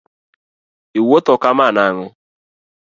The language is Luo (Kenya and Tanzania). Iwuotho kama nang’o?